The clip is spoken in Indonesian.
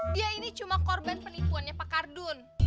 dia ini cuma korban penipuannya pak kardun